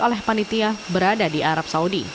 oleh panitia berada di arab saudi